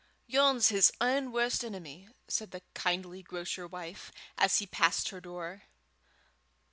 "Yon's his ain warst enemy," said the kindly grocer wife, as he passed her door.